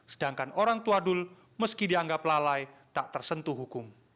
sedangkan orang tua dul meski dianggap lalai tak tersentuh hukum